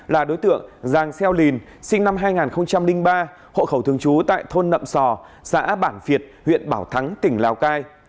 là đối tượng giang xeo lìn sinh năm hai nghìn ba hộ khẩu thường trú tại thôn nậm sò xã bản việt huyện bảo thắng tỉnh lào cai